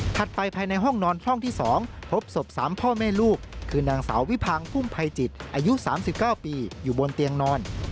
ไปภายในห้องนอนช่องที่๒พบศพ๓พ่อแม่ลูกคือนางสาววิพังพุ่มภัยจิตอายุ๓๙ปีอยู่บนเตียงนอน